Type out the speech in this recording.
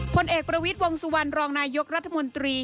ผลเอกประวิทย์วงสุวรรณรองนายกรัฐมนตรี